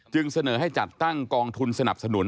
เสนอให้จัดตั้งกองทุนสนับสนุน